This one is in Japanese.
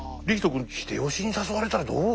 君秀吉に誘われたらどう？